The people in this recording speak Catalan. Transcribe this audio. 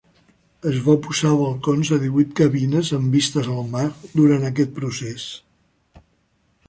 Es va posar balcons a divuit cabines amb vistes al mar durant aquest procés.